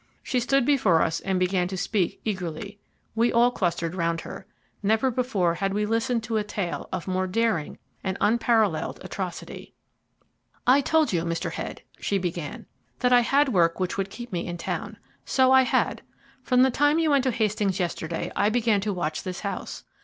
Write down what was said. She stood before us and began to speak eagerly. We all clustered round her. Never before had we listened to a tale of more daring and unparalleled atrocity. "I told you, Mr. Head," she began, "that I had work which would keep me in town. So I had. From the time you went to Hastings yesterday I began to watch this house.